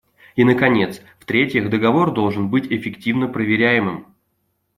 И наконец, в-третьих, договор должен быть эффективно проверяемым.